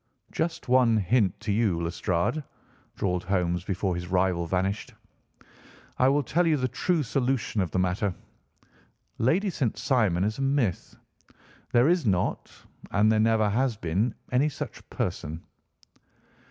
"Just one hint to you, Lestrade," drawled Holmes before his rival vanished; "I will tell you the true solution of the matter. Lady St. Simon is a myth. There is not, and there never has been, any such person."